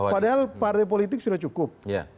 padahal partai politik sudah cukup